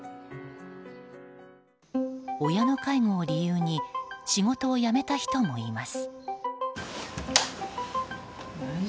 親の介護を理由に仕事を辞めた人もいます。